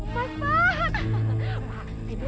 otak ibu memang pinter